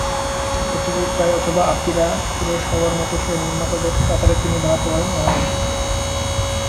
সত্যজিৎ রায় অথবা আকিরা কুরোসাওয়ার মতো সেরা নির্মাতাদের কাতারে তিনি দাঁড়াতে পারেন অনায়াসে।